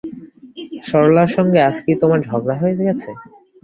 সরলার সঙ্গে আজ কি তোমার ঝগড়া হয়ে গেছে।